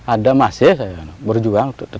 ada masih saya berjuang